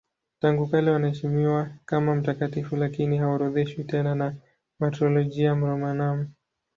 Tangu kale wanaheshimiwa kama mtakatifu lakini haorodheshwi tena na Martyrologium Romanum.